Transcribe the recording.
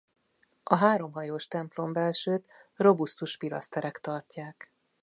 A háromhajós templombelsőt robusztus pilaszterek tartják.